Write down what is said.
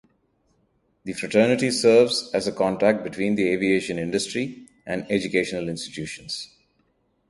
The fraternity serves as a contact between the aviation industry and educational institutions.